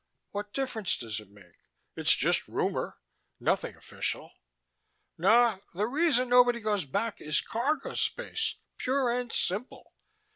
What difference does it make? It's just rumor, nothing official. No, the reason nobody goes back is cargo space, pure and simple.